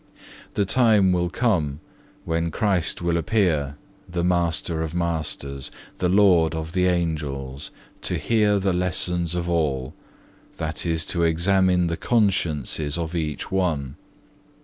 The time will come when Christ will appear, the Master of masters, the Lord of the Angels, to hear the lessons of all, that is to examine the consciences of each one.